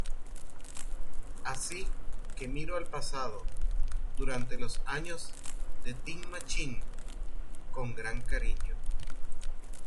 Así que miro al pasado, durante los años de Tin Machine, con gran cariño.